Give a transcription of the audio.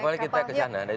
ya boleh kita kesana